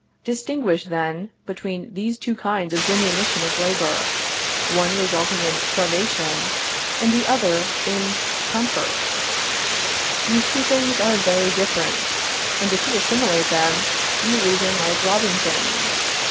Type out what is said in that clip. Distinguish, then, between these two kinds of diminution of labor, one resulting in privation, and the other in comfort. These two things are very different, and if you assimilate them, you reason like Robinson.